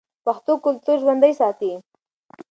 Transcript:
پښتو کلتور ژوندی ساتي.